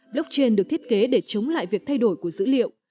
blockchain được thiết kế để chống lại việc thay đổi của dữ liệu